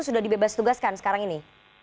sudah dibebas tugaskan sekarang ini